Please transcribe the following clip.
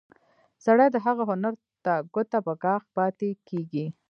سړی د هغه هنر ته ګوته په غاښ پاتې کېږي.